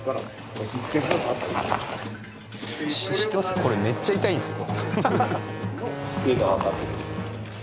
これめっちゃ痛いんすよ。